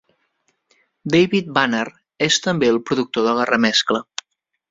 David Banner és també el productor de la remescla.